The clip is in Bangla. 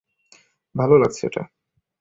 ভালো লাগছে এটা।